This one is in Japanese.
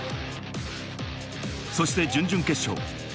そして準々決勝。